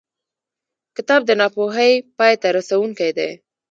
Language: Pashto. کتاب د ناپوهۍ پای ته رسوونکی دی.